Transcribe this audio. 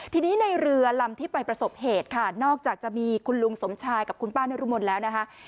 ทีนี้ในเรือลำที่ไปประสบเหตุค่ะนอกจากจะมีคุณลุงสมชายกับคุณป้านรุมลแล้วนะคะ